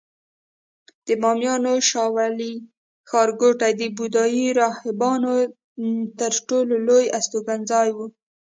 د بامیانو شاولې ښارګوټی د بودایي راهبانو تر ټولو لوی استوګنځای و